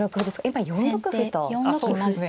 今４六歩と突きました。